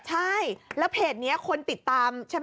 ใช่แล้วเพจนี้คนติดตามใช่ไหม